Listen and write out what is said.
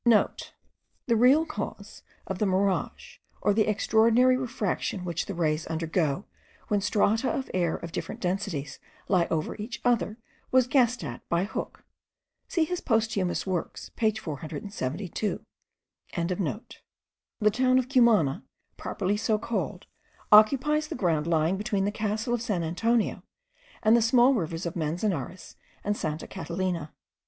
*(* The real cause of the mirage, or the extraordinary refraction which the rays undergo when strata of air of different densities lie over each other, was guessed at by Hooke. See his Posthumous Works page 472.) The town of Cumana, properly so called, occupies the ground lying between the castle of San Antonio and the small rivers of Manzanares and Santa Catalina.